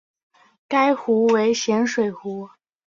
该湖为咸水湖。